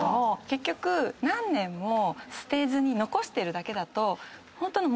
結局何年も捨てずに残してるだけだと。